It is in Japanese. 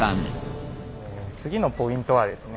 次のポイントはですね